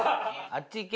あっち行け。